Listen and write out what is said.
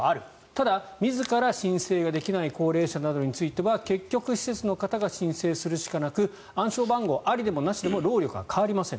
ただ、自ら申請ができない高齢者などについては結局、施設の方が申請するしかなく暗証番号ありでもなしでも労力は変わりません